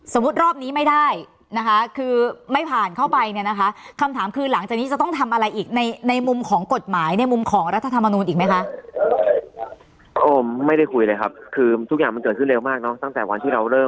สมมติรอบนี้ไม่ได้นะฮะคือไม่ผ่านเข้าไป